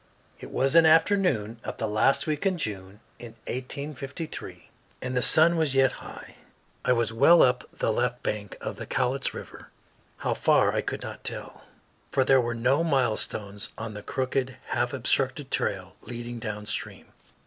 It was an afternoon of the last week of June, in 1853, and the sun was yet high. I was well up the left bank of the Cowlitz River; how far I could not tell, for there were no milestones on the crooked, half obstructed trail leading downstream.